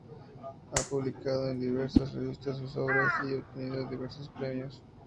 Ha publicado en diversas revistas sus obras y obtenido diversos premios.